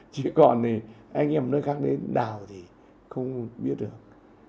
chỉ còn thì anh em nơi khác đến đào thì không biết được